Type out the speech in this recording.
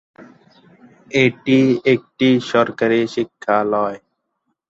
এটি একটি সরকারি শিক্ষালয়।